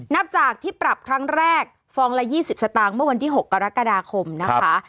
นับจากที่ปรับครั้งแรกฟองละ๒๐สตางค์เมื่อวันที่๖กรกฎาคมนะคะ